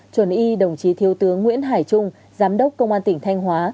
chuẩn y đồng chí thiếu tướng nguyễn hải trung giám đốc công an tỉnh thanh hóa